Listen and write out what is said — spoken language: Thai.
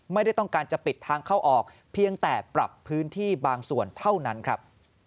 ไม่ได้ต้องการจะปิดทางเข้าออกเพียงแต่ปรับพื้นที่บางส่วนเท่านั้นครับ